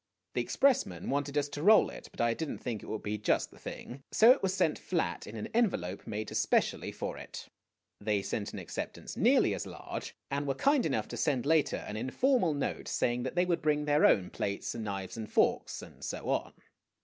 The expressman wanted us to roll it ; but I did n't think it would be just the thing. So it was sent flat in an envelop made specially for it. They sent an acceptance nearly as large, and were kind enough to send later an informal note saying that they would bring their own plates, knives and forks, and so on.